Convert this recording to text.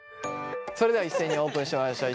それでは一斉にオープンしましょう。